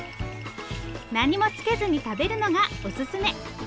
何もつけずに食べるのがオススメ。